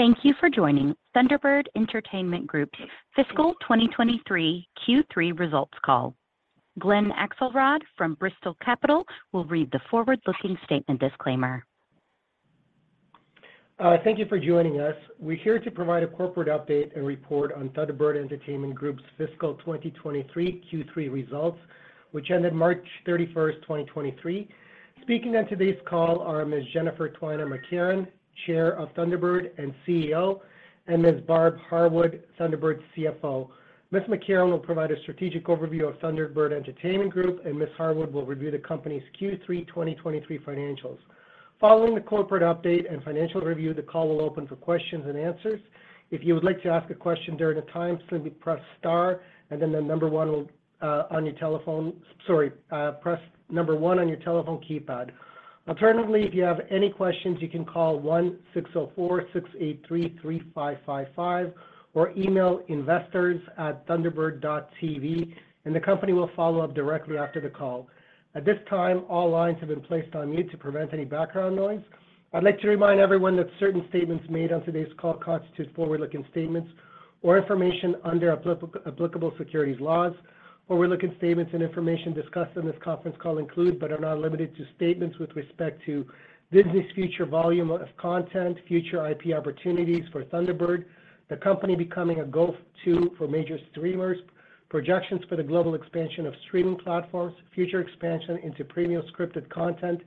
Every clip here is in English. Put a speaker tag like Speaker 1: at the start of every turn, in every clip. Speaker 1: Thank you for joining Thunderbird Entertainment Group's Fiscal 2023 Q3 Results Call. Glen Akselrod from Bristol Capital will read the forward-looking statement disclaimer.
Speaker 2: Thank you for joining us. We're here to provide a corporate update and report on Thunderbird Entertainment Group's fiscal 2023 Q3 results, which ended March 31, 2023. Speaking on today's call are Ms. Jennifer Twiner McCarron, Chair of Thunderbird and CEO, and Ms. Barb Harwood, Thunderbird's CFO. Ms. McCarron will provide a strategic overview of Thunderbird Entertainment Group, and Ms. Harwood will review the company's Q3 2023 financials. Following the corporate update and financial review, the call will open for questions and answers. If you would like to ask a question during the time, simply press star and then the number 1. Sorry, press number 1 on your telephone keypad. Alternatively, if you have any questions, you can call 16046833555 or email investors@thunderbird.tv. The company will follow up directly after the call. At this time, all lines have been placed on mute to prevent any background noise. I'd like to remind everyone that certain statements made on today's call constitute forward-looking statements or information under applicable securities laws. Forward-looking statements and information discussed on this conference call include, but are not limited to, statements with respect to Disney's future volume of content, future IP opportunities for Thunderbird, the company becoming a go-to for major streamers, projections for the global expansion of streaming platforms, future expansion into premium scripted content,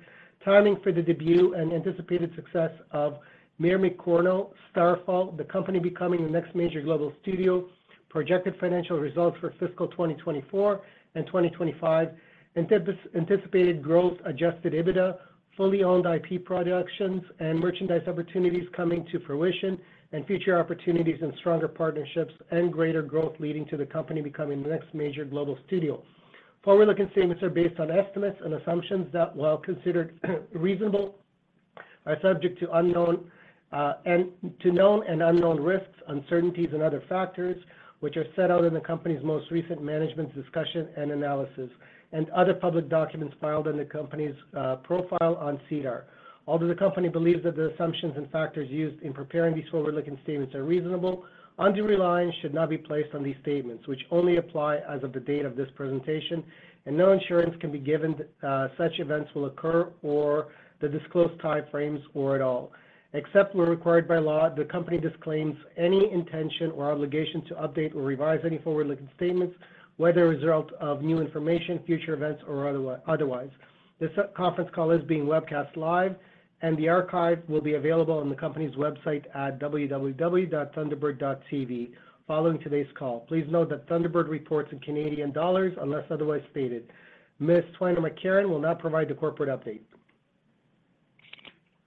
Speaker 2: timing for the debut and anticipated success of Mermicorno: Starfall, the company becoming the next major global studio, projected financial results for fiscal 2024 and 2025, anticipated growth, adjusted EBITDA, fully owned IP productions and merchandise opportunities coming to fruition, and future opportunities and stronger partnerships and greater growth leading to the company becoming the next major global studio. Forward-looking statements are based on estimates and assumptions that, while considered reasonable, are subject to unknown, and to known and unknown risks, uncertainties, and other factors, which are set out in the company's most recent management's discussion and analysis, and other public documents filed in the company's profile on SEDAR. Although the company believes that the assumptions and factors used in preparing these forward-looking statements are reasonable, undue reliance should not be placed on these statements, which only apply as of the date of this presentation, and no assurance can be given that such events will occur or the disclosed time frames or at all. Except where required by law, the company disclaims any intention or obligation to update or revise any forward-looking statements, whether as a result of new information, future events, or otherwise. This conference call is being webcast live. The archive will be available on the company's website at www.thunderbird.tv following today's call. Please note that Thunderbird reports in Canadian dollars, unless otherwise stated. Ms. Twiner McCarron will now provide the corporate update.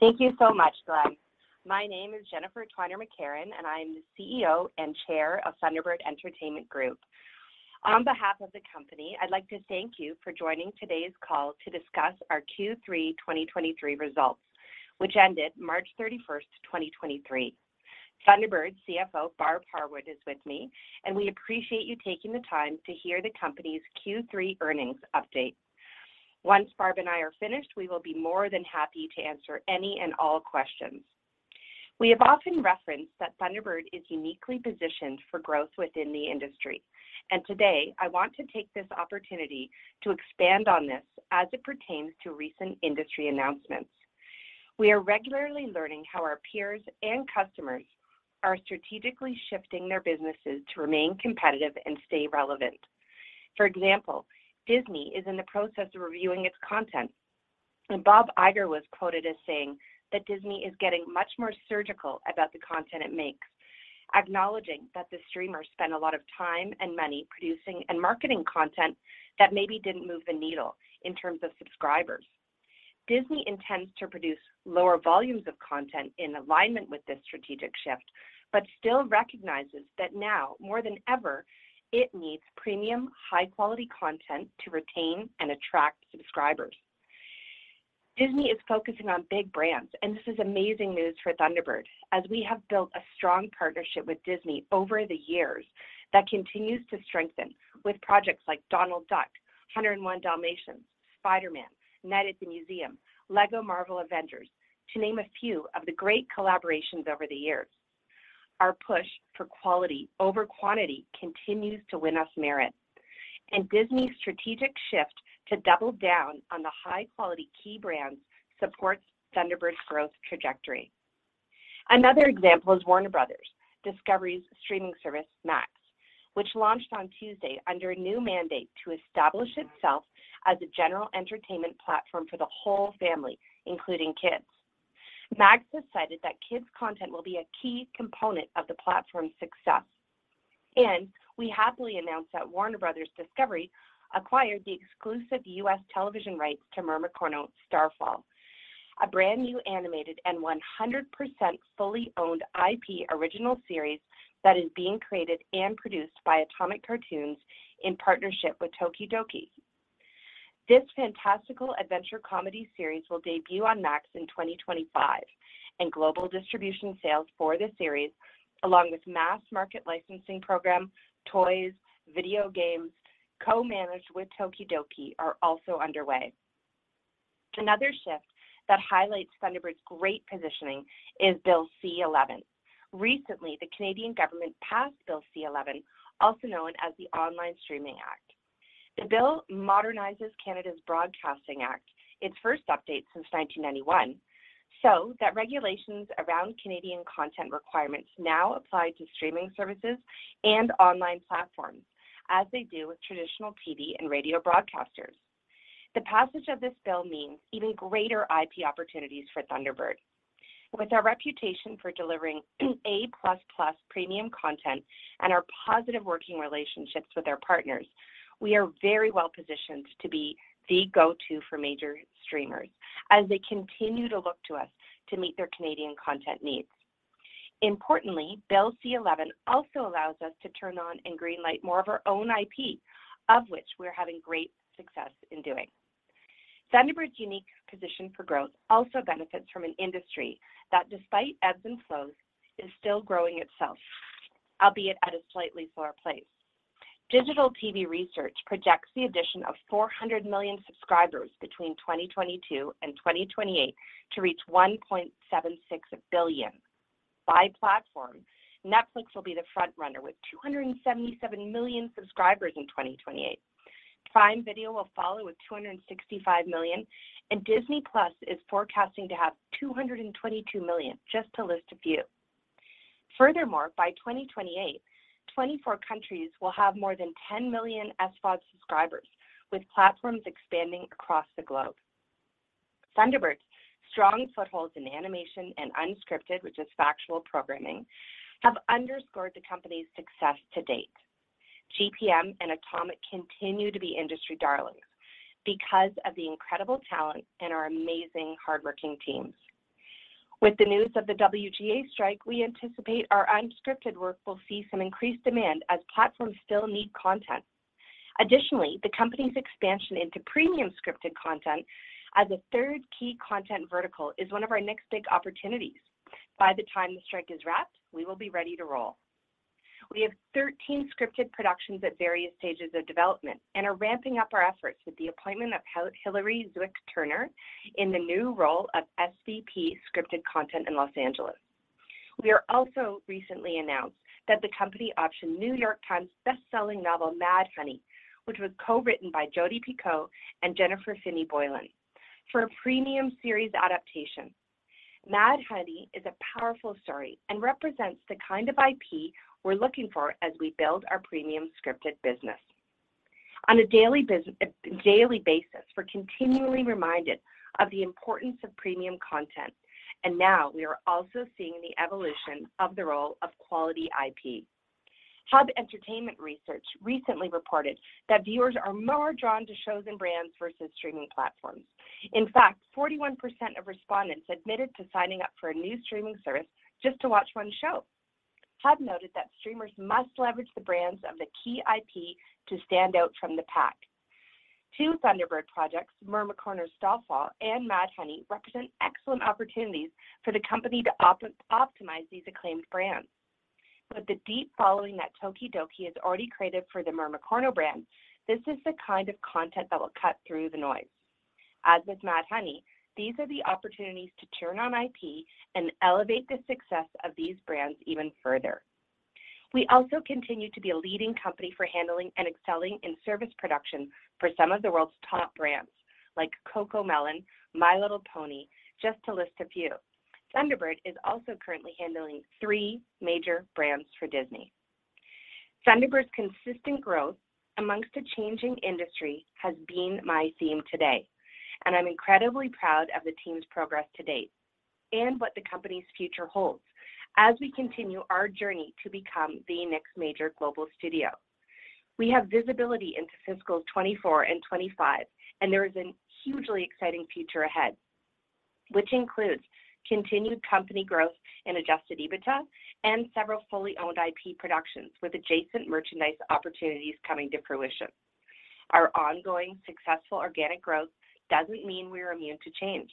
Speaker 3: Thank you so much, Glen. My name is Jennifer Twiner McCarron, and I am the CEO and Chair of Thunderbird Entertainment Group. On behalf of the company, I'd like to thank you for joining today's call to discuss our Q3 2023 results, which ended March 31, 2023. Thunderbird CFO, Barb Harwood, is with me, and we appreciate you taking the time to hear the company's Q3 earnings update. Once Barb and I are finished, we will be more than happy to answer any and all questions. We have often referenced that Thunderbird is uniquely positioned for growth within the industry, and today I want to take this opportunity to expand on this as it pertains to recent industry announcements. We are regularly learning how our peers and customers are strategically shifting their businesses to remain competitive and stay relevant. For example, Disney is in the process of reviewing its content. Bob Iger was quoted as saying that Disney is getting much more surgical about the content it makes, acknowledging that the streamers spend a lot of time and money producing and marketing content that maybe didn't move the needle in terms of subscribers. Disney intends to produce lower volumes of content in alignment with this strategic shift. Still recognizes that now, more than ever, it needs premium, high-quality content to retain and attract subscribers. Disney is focusing on big brands. This is amazing news for Thunderbird, as we have built a strong partnership with Disney over the years that continues to strengthen with projects like Donald Duck, One Hundred and One Dalmatians, Spider-Man, Night at the Museum, LEGO Marvel's Avengers, to name a few of the great collaborations over the years. Our push for quality over quantity continues to win us merit. Disney's strategic shift to double down on the high-quality key brands supports Thunderbird's growth trajectory. Another example is Warner Bros. Discovery's streaming service, Max, which launched on Tuesday under a new mandate to establish itself as a general entertainment platform for the whole family, including kids. Max decided that kids' content will be a key component of the platform's success, and we happily announced that Warner Bros. Discovery acquired the exclusive U.S. television rights to Mermicorno: Starfall, a brand new animated and 100% fully owned IP original series that is being created and produced by Atomic Cartoons in partnership with tokidoki. This fantastical adventure comedy series will debut on Max in 2025, and global distribution sales for the series, along with mass market licensing program, toys, video games, co-managed with tokidoki, are also underway. Another shift that highlights Thunderbird's great positioning is Bill C-11. Recently, the Canadian government passed Bill C-11, also known as the Online Streaming Act. The bill modernizes Canada's Broadcasting Act, its first update since 1991, so that regulations around Canadian content requirements now apply to streaming services and online platforms, as they do with traditional TV and radio broadcasters. The passage of this bill means even greater IP opportunities for Thunderbird. With our reputation for delivering A plus plus premium content and our positive working relationships with our partners, we are very well-positioned to be the go-to for major streamers as they continue to look to us to meet their Canadian content needs. Importantly, Bill C-11 also allows us to turn on and greenlight more of our own IP, of which we are having great success in doing. Thunderbird's unique position for growth also benefits from an industry that, despite ebbs and flows, is still growing itself, albeit at a slightly slower pace. Digital TV Research projects the addition of 400 million subscribers between 2022 and 2028 to reach 1.76 billion. By platform, Netflix will be the front runner, with 277 million subscribers in 2028. Prime Video will follow with 265 million. Disney+ is forecasting to have 222 million, just to list a few. By 2028, 24 countries will have more than 10 million SVOD subscribers, with platforms expanding across the globe. Thunderbird's strong footholds in animation and unscripted, which is factual programming, have underscored the company's success to date. GPM and Atomic continue to be industry darlings because of the incredible talent and our amazing hardworking teams. With the news of the WGA strike, we anticipate our unscripted work will see some increased demand as platforms still need content. The Company's expansion into premium scripted content as a third key content vertical is one of our next big opportunities. By the time the strike is wrapped, we will be ready to roll. We have 13 scripted productions at various stages of development and are ramping up our efforts with the appointment of Hillary Zwick Turner in the new role of SVP, Scripted Content in Los Angeles. We are also recently announced that the company optioned New York Times best-selling novel, Mad Honey, which was co-written by Jodi Picoult and Jennifer Finney Boylan, for a premium series adaptation. Mad Honey is a powerful story and represents the kind of IP we're looking for as we build our premium scripted business. On a daily basis, we're continually reminded of the importance of premium content. Now we are also seeing the evolution of the role of quality IP. Hub Entertainment Research recently reported that viewers are more drawn to shows and brands versus streaming platforms. In fact, 41% of respondents admitted to signing up for a new streaming service just to watch one show. Hub noted that streamers must leverage the brands of the key IP to stand out from the pack. Two Thunderbird projects, Mermicorno: Starfall and Mad Honey, represent excellent opportunities for the company to optimize these acclaimed brands. With the deep following that tokidoki has already created for the Mermicorno brand, this is the kind of content that will cut through the noise. As with Mad Honey, these are the opportunities to turn on IP and elevate the success of these brands even further. We also continue to be a leading company for handling and excelling in service production for some of the world's top brands, like CoComelon, My Little Pony, just to list a few. Thunderbird is also currently handling 3 major brands for Disney. Thunderbird's consistent growth amongst a changing industry has been my theme today, and I'm incredibly proud of the team's progress to date and what the company's future holds as we continue our journey to become the next major global studio. We have visibility into fiscal 2024 and 2025, and there is a hugely exciting future ahead, which includes continued company growth in adjusted EBITDA and several fully owned IP productions, with adjacent merchandise opportunities coming to fruition. Our ongoing successful organic growth doesn't mean we are immune to change.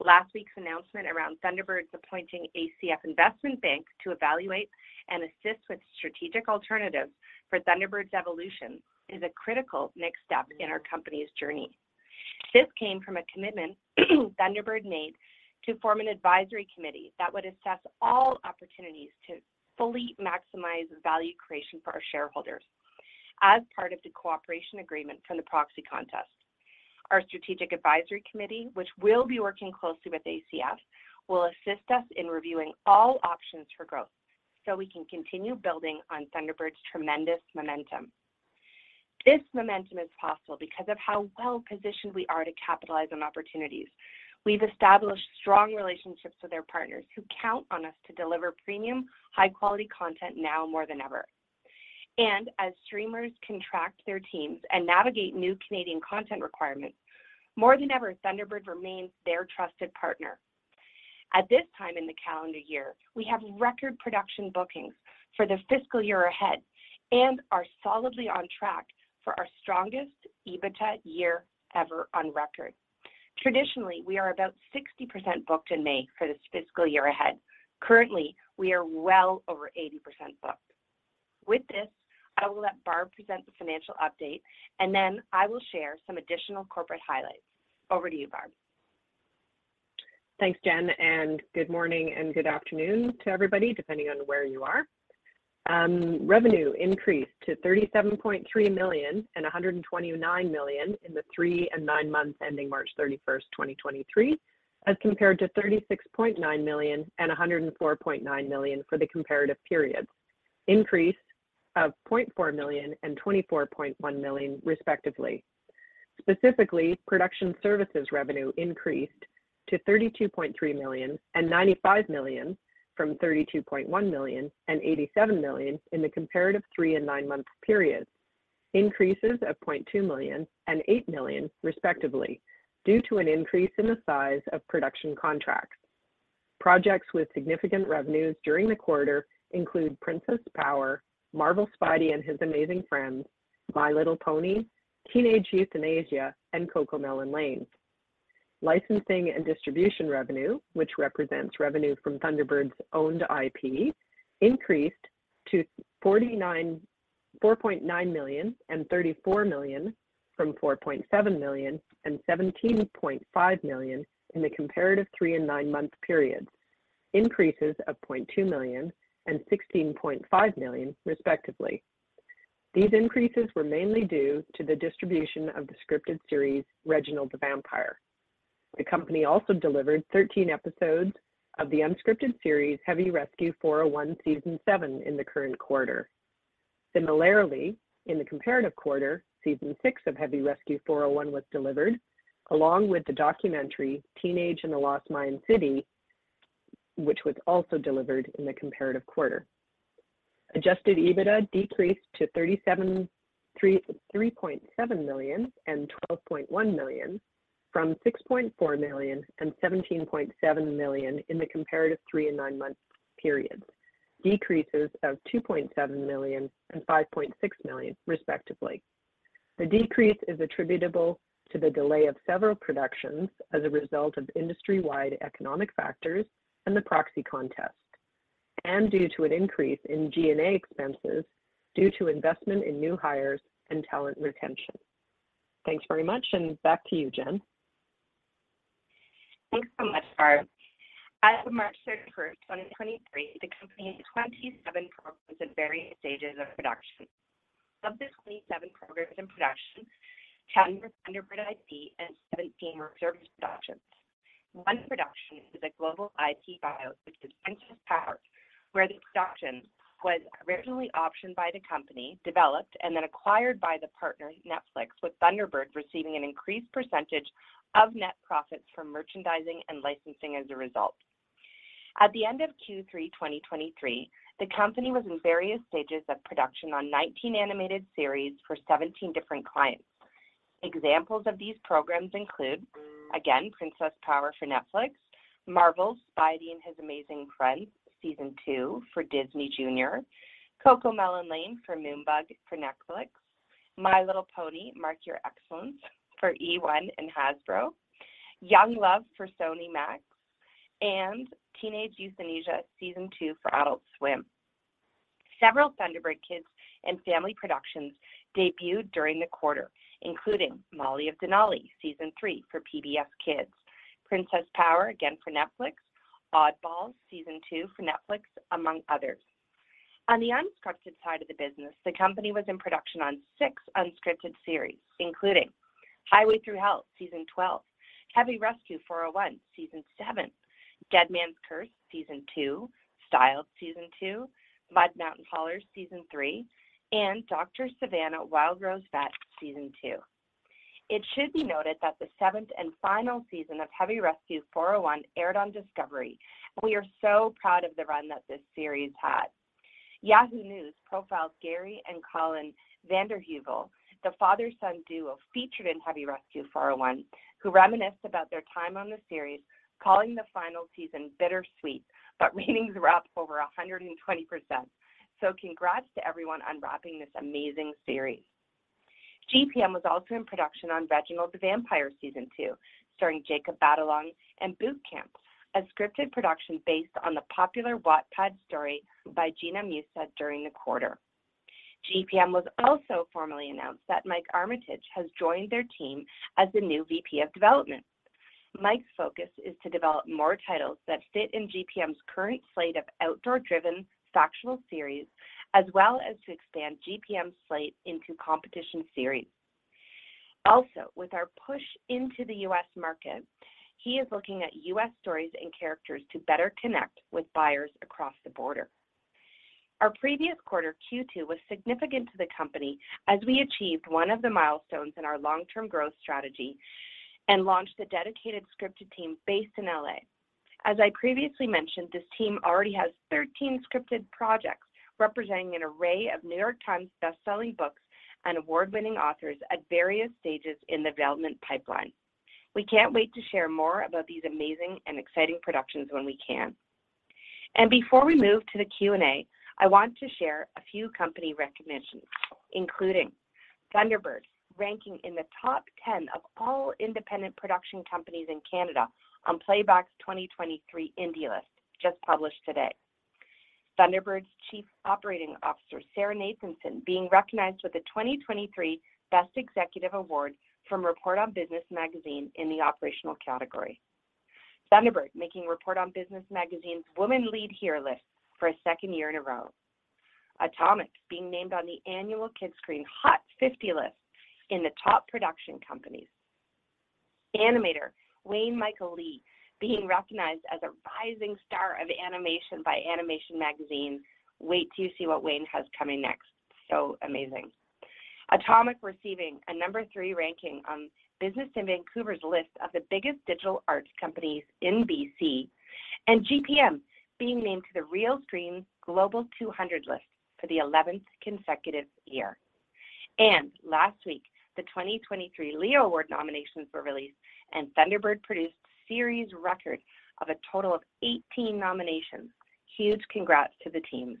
Speaker 3: Last week's announcement around Thunderbird's appointing ACF Investment Bank to evaluate and assist with strategic alternatives for Thunderbird's evolution is a critical next step in our company's journey. This came from a commitment Thunderbird made to form an advisory committee that would assess all opportunities to fully maximize value creation for our shareholders as part of the cooperation agreement from the proxy contest. Our strategic advisory committee, which will be working closely with ACF, will assist us in reviewing all options for growth so we can continue building on Thunderbird's tremendous momentum. This momentum is possible because of how well-positioned we are to capitalize on opportunities. We've established strong relationships with our partners, who count on us to deliver premium, high-quality content now more than ever. As streamers contract their teams and navigate new Canadian content requirements, more than ever, Thunderbird remains their trusted partner. At this time in the calendar year, we have record production bookings for the fiscal year ahead and are solidly on track for our strongest EBITDA year ever on record. Traditionally, we are about 60% booked in May for this fiscal year ahead. Currently, we are well over 80% booked. With this, I will let Barb present the financial update, and then I will share some additional corporate highlights. Over to you, Barb.
Speaker 4: Thanks, Jen, good morning and good afternoon to everybody, depending on where you are. Revenue increased to 37.3 million and 129 million in the 3 and 9 months ending March 31, 2023, as compared to 36.9 million and 104.9 million for the comparative periods. Increase of 0.4 million and 24.1 million, respectively. Specifically, production services revenue increased to 32.3 million and 95 million from 32.1 million and 87 million in the comparative 3 and 9-month periods. Increases of 0.2 million and 8 million, respectively, due to an increase in the size of production contracts. Projects with significant revenues during the quarter include Princess Power, Marvel's Spidey and His Amazing Friends, My Little Pony, Teenage Euthanasia, and CoComelon Lane. Licensing and distribution revenue, which represents revenue from Thunderbird's owned IP, increased to 4.9 million and 34 million from 4.7 million and 17.5 million in the comparative three and nine-month periods. Increases of 0.2 million and 16.5 million, respectively. These increases were mainly due to the distribution of the scripted series, Reginald the Vampire. The company also delivered 13 episodes of the unscripted series, Heavy Rescue: 401, Season 7, in the current quarter. Similarly, in the comparative quarter, Season 6 of Heavy Rescue: 401 was delivered, along with the documentary, The Teenager and the Lost Maya City, which was also delivered in the comparative quarter. Adjusted EBITDA decreased to 3.7 million and 12.1 million, from 6.4 million and 17.7 million in the comparative three and nine-month periods, decreases of 2.7 million and 5.6 million, respectively. The decrease is attributable to the delay of several productions as a result of industry-wide economic factors and the proxy contest, and due to an increase in G&A expenses due to investment in new hires and talent retention. Thanks very much, and back to you, Jen.
Speaker 3: Thanks so much, Barb. As of March 31st, 2023, the company had 27 programs in various stages of production. Of the 27 programs in production, 10 were Thunderbird IP and 17 were service productions. 1 production is a global IP bio, which is Princess Power, where the production was originally optioned by the company, developed, and then acquired by the partner, Netflix, with Thunderbird receiving an increased percentage of net profits from merchandising and lic ensing as a result. At the end of Q3, 2023, the company was in various stages of production on 19 animated series for 17 different clients. Examples of these programs include, again, Princess Power for Netflix, Marvel's Spidey and His Amazing Friends, Season 2 for Disney Junior, CoComelon Lane for Moonbug for Netflix, My Little Pony: Mark Your Excellence for eOne. And Hasbro, Young Love for Sony Max, and Teenage Euthanasia, Season 2 for Adult Swim. Several Thunderbird Kids and Family Productions debuted during the quarter, including Molly of Denali, Season 3 for PBS Kids, Princess Power, again for Netflix, Oddballs, Season 2 for Netflix, among others. On the unscripted side of the business, the company was in production on six unscripted series, including Highway Thru Hell, Season 12, Heavy Rescue: 401, Season 7, Dead Man's Curse, Season 2, Styled, Season 2, Mud Mountain Haulers, Season 3, and Dr. Savannah: Wild Rose Vet, Season 2. It should be noted that the seventh and final season of Heavy Rescue: 401 aired on Discovery. We are so proud of the run that this series had. Yahoo News profiled Gary and Collin Vandenheuvel, the father-son duo featured in Heavy Rescue: 401, who reminisced about their time on the series, calling the final season bittersweet. Ratings were up over 120%. Congrats to everyone on wrapping this amazing series. GPM was also in production on Reginald the Vampire, Season 2, starring Jacob Batalon and Boot Camp, a scripted production based on the popular Wattpad story by Gina Musa during the quarter. GPM was also formally announced that Mike Armitage has joined their team as the new VP of development. Mike's focus is to develop more titles that fit in GPM's current slate of outdoor-driven factional series, as well as to expand GPM's slate into competition series. With our push into the U.S. market, he is looking at U.S. stories and characters to better connect with buyers across the border. Our previous quarter, Q2, was significant to the company as we achieved one of the milestones in our long-term growth strategy and launched a dedicated scripted team based in L.A. As I previously mentioned, this team already has 13 scripted projects representing an array of New York Times best-selling books and award-winning authors at various stages in the development pipeline. We can't wait to share more about these amazing and exciting productions when we can. Before we move to the Q&A, I want to share a few company recognitions. Thunderbird ranking in the top 10 of all independent production companies in Canada on Playback's 2023 Indie List, just published today. Thunderbird's Chief Operating Officer, Sarah Nathanson, being recognized with the 2023 Best Executive Award from Report on Business magazine in the operational category. Thunderbird making Report on Business magazine's Women Lead Here list for a second year in a row. Atomic being named on the annual Kidscreen Hot 50 list in the top production companies. Animator, Wayne-Michael Lee, being recognized as a rising star of animation by Animation Magazine. Wait till you see what Wayne has coming next. Amazing. Atomic receiving a number 3 ranking on Business in Vancouver's list of the biggest digital arts companies in BC, GPM being named to the Realscreen Global 200 list for the eleventh consecutive year. Last week, the 2023 Leo Awards nominations were released, Thunderbird produced series record of a total of 18 nominations. Huge congrats to the teams.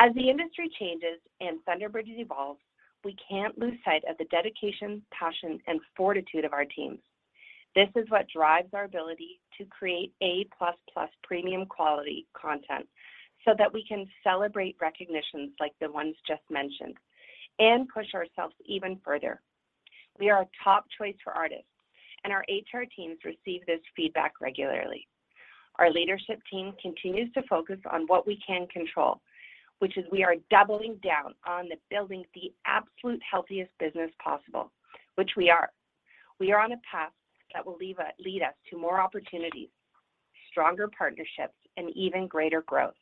Speaker 3: As the industry changes and Thunderbird evolves, we can't lose sight of the dedication, passion, and fortitude of our teams. This is what drives our ability to create A plus plus premium quality content, so that we can celebrate recognitions like the ones just mentioned and push ourselves even further. We are a top choice for artists, and our HR teams receive this feedback regularly. Our leadership team continues to focus on what we can control, which is we are doubling down on the building the absolute healthiest business possible, which we are. We are on a path that will lead us to more opportunities, stronger partnerships, and even greater growth.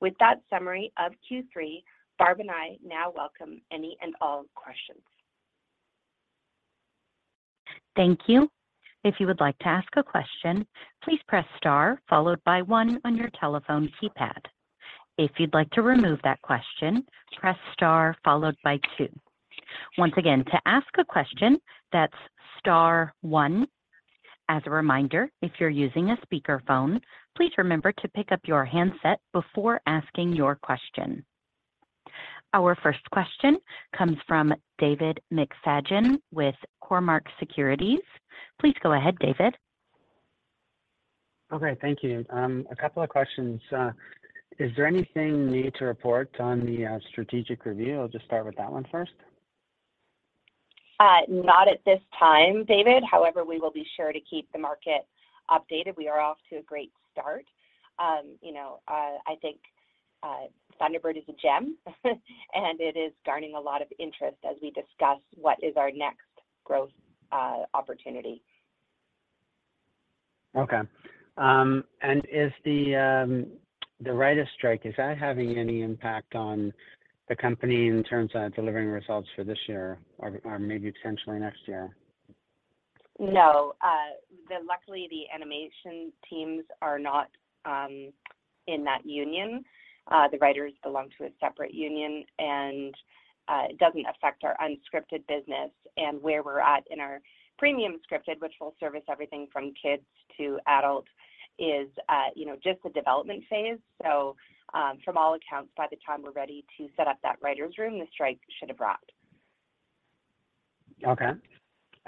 Speaker 3: With that summary of Q3, Barb and I now welcome any and all questions.
Speaker 1: Thank you. If you would like to ask a question, please press Star, followed by One on your telephone keypad. If you'd like to remove that question, press Star followed by Two. Once again, to ask a question, that's Star One. As a reminder, if you're using a speakerphone, please remember to pick up your handset before asking your question. Our first question comes from David McFadgen with Cormark Securities. Please go ahead, David.
Speaker 5: Okay, thank you. A couple of questions. Is there anything new to report on the strategic review? I'll just start with that one first.
Speaker 3: Not at this time, David. However, we will be sure to keep the market updated. We are off to a great start. You know, I think Thunderbird is a gem, and it is garnering a lot of interest as we discuss what is our next growth opportunity.
Speaker 5: Okay. Is the writers strike, is that having any impact on the company in terms of delivering results for this year or maybe potentially next year?
Speaker 3: Luckily, the animation teams are not in that union. The writers belong to a separate union, and it doesn't affect our unscripted business. Where we're at in our premium scripted, which will service everything from kids to adult, is, you know, just the development phase. From all accounts, by the time we're ready to set up that writer's room, the strike should have dropped.
Speaker 5: Okay.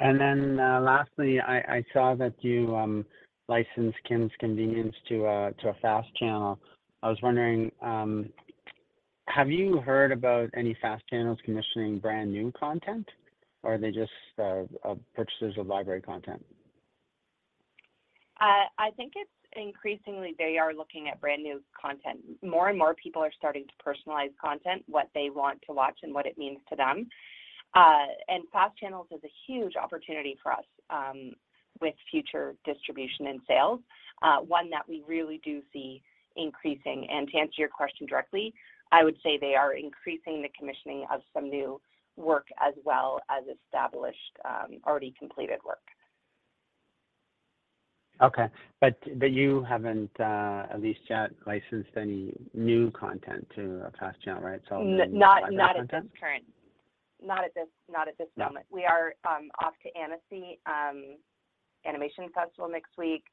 Speaker 5: lastly, I saw that you licensed Kim's Convenience to a FAST channel. I was wondering, have you heard about any FAST channels commissioning brand-new content, or are they just purchases of library content?
Speaker 3: I think it's increasingly they are looking at brand-new content. More and more people are starting to personalize content, what they want to watch and what it means to them. Fast channels is a huge opportunity for us with future distribution and sales, one that we really do see increasing. To answer your question directly, I would say they are increasing the commissioning of some new work as well as established, already completed work.
Speaker 5: Okay, you haven't, at least yet, licensed any new content to a FAST channel, right?
Speaker 3: not at this.
Speaker 5: Library content.
Speaker 3: Not at this moment.
Speaker 5: Yeah.
Speaker 3: We are off to Annecy Animation Festival next week,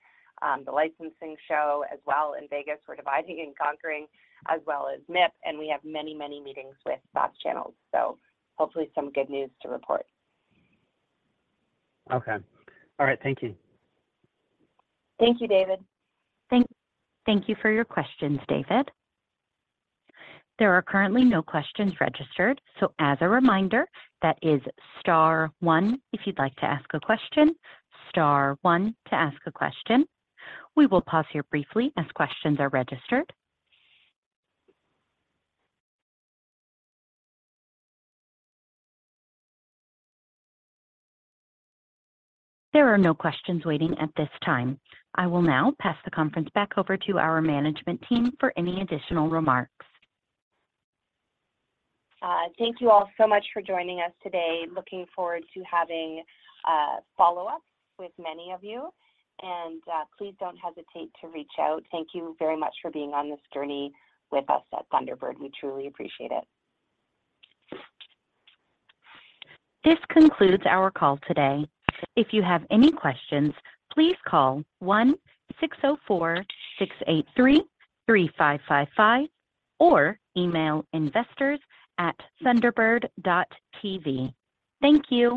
Speaker 3: the licensing show as well in Vegas. We're dividing and conquering as well as MIP. We have many, many meetings with FAST channels. Hopefully some good news to report.
Speaker 5: Okay. All right. Thank you.
Speaker 3: Thank you, David.
Speaker 1: Thank you for your questions, David. There are currently no questions registered. As a reminder, that is Star One if you'd like to ask a question, Star One to ask a question. We will pause here briefly as questions are registered. There are no questions waiting at this time. I will now pass the conference back over to our management team for any additional remarks.
Speaker 3: Thank you all so much for joining us today. Looking forward to having follow-up with many of you, please don't hesitate to reach out. Thank you very much for being on this journey with us at Thunderbird. We truly appreciate it.
Speaker 1: This concludes our call today. If you have any questions, please call 16046833555 or email investors@thunderbird.tv. Thank you.